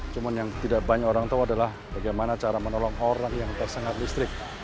cuma yang tidak banyak orang tahu adalah bagaimana cara menolong orang yang tersengat listrik